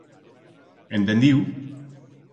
Entendiu?